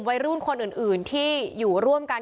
สวัสดีครับ